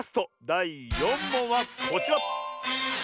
だい４もんはこちら！